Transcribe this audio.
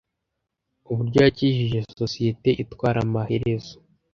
Uburyo yakijije sosiyete itwara amaherezo,